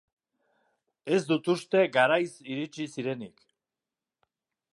Ez dut uste garaiz iritsi zirenik.